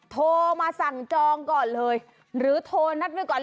โทรมาสั่งจองก่อนเลยหรือโทรนัดไว้ก่อน